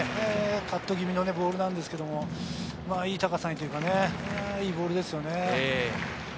カット気味のボールですけど、いい高さに、いいボールですよね。